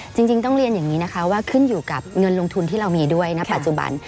จริงต้องเรียนอย่างนี้นะคะว่าขึ้นอยู่กับเงินลงทุนที่เรามีด้วยนะปัจจุบัน